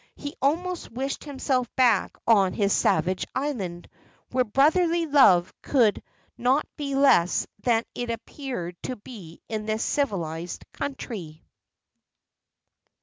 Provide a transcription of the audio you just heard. He almost wished himself back on his savage island, where brotherly love could not be less than it appeared to be in this civilised country.